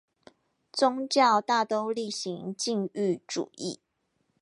宗教大都厲行禁欲主義